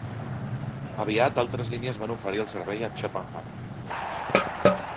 Aviat altres línies van oferir el servei a Chippenham.